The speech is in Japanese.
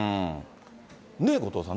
ね、後藤さん、